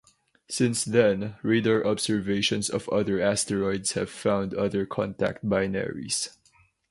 Since then radar observations of other asteroids have found other contact binaries.